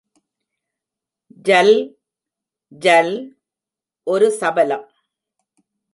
ஜல்..... ஜல்...... ஒரு சபலம்.